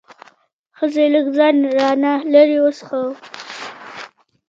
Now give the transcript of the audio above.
ښځې لږ ځان را نه لرې وڅښاوه.